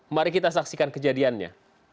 mari kita saksikan kejadiannya